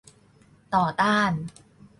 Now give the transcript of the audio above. ต่อต้าน